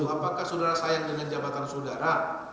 apakah sudara sayang dengan jabatan sudara